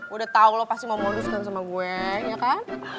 udah tau loh pasti mau moduskan sama gue ya kan